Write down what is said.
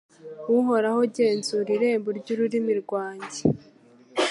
Uhoraho genzura irembo ry’ururimi rwanjye